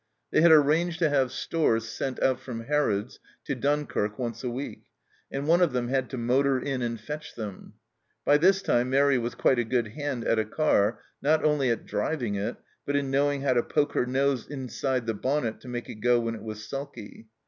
They had arranged to have stores sent out from Harrods' to Dunkirk once a week, and one of them had to motor in and fetch them. By this time Mairi was quite a good hand at a car, not only at driving it, but in knowing " how to poke her nose inside the bonnet " to make it go when it was sulky.